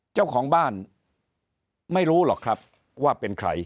เจ้าของบ้านไม่รู้หรอกครับว่าเป็นใคร